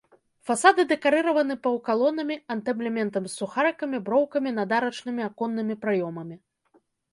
Фасады дэкарыраваны паўкалонамі, антаблементам з сухарыкамі, броўкамі над арачнымі аконнымі праёмамі.